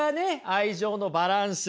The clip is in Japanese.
愛情のバランス！